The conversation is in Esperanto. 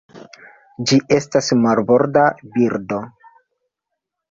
Ĝi estas marborda birdo.